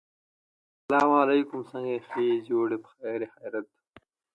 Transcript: She later is shown in a limousine with the recently unfrozen Pauly Shore.